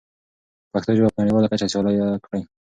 پښتو ژبه په نړیواله کچه سیاله کړئ.